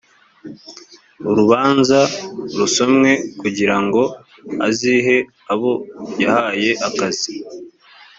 urubanza rusomwe kugira ngo azihe abo yahaye akazi